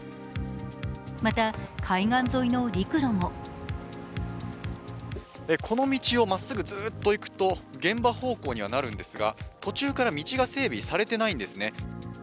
また、海岸沿いの陸路もこの道をまっすぐずっと行くと、現場方向にはなるんですが、途中から道が整備されていないんですね。